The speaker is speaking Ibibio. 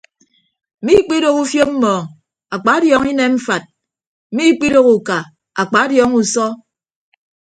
Miikpidooho ufiop mmọọñ akpadiọọñọ inem mfat miikpidooho uka akpadiọọñọ usọ.